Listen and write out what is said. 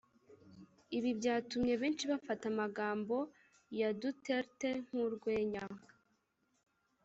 Ibi byatumye benshi bafata amagambo ya Duterte nk’urwenya